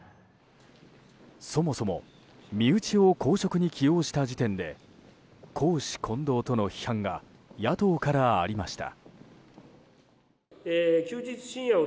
そもそも身内を公職に起用した時点で公私混同との批判が野党からありました。